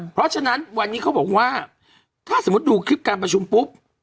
เพราะฉะนั้นวันนี้เขาบอกว่าถ้าสมมุติดูคลิปการประชุมปุ๊บ